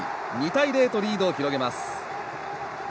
２対０とリードを広げます。